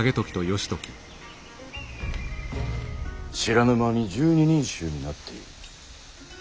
知らぬ間に１２人衆になっている。